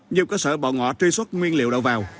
nhiều cơ sở bỏ ngọ truy xuất nguyên liệu đậu vào